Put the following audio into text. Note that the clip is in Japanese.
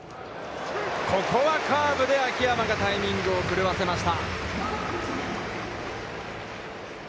ここはカーブで秋山がタイミングを狂わせました。